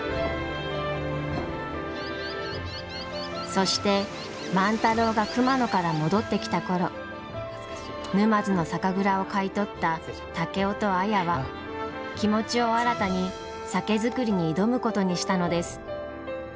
そして万太郎が熊野から戻ってきた頃沼津の酒蔵を買い取った竹雄と綾は気持ちを新たに酒造りに挑むことにしたのです。